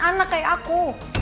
anak kayak aku